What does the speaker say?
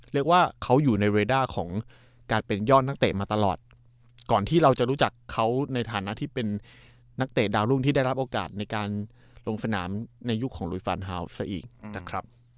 เรียกว่าเขาอยู่ในเรด้าของการเป็นยอดนักเตะมาตลอดก่อนที่เราจะรู้จักเขาในฐานะที่เป็นนักเตะดาวรุ่งที่ได้รับโอกาสในการลงสนามในยุคของลุยฟานฮาวสซะอีกนะครับ